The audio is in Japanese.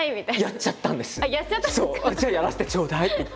「じゃあやらせてちょうだい」って言って。